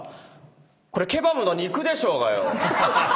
これケバブの肉でしょうがよ！